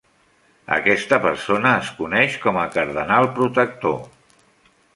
Aquesta persona es coneix com a "Cardenal Protector".